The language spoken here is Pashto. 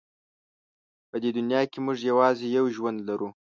په دې دنیا کې موږ یوازې یو ژوند لرو.